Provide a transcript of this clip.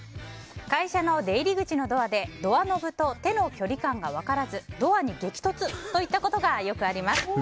会社の出入り口のドアでドアノブと手の距離感が分からずドアに激突といったことがよくあります。